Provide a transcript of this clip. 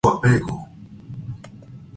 Vivía en Bolsón de Tirada número tres.